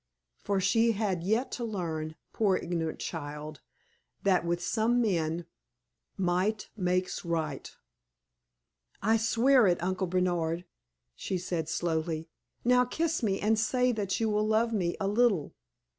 For she had yet to learn, poor ignorant child, that with some men "might makes right." "I swear it, Uncle Bernard!" she said, slowly. "Now, kiss me, and say that you will love me a little!"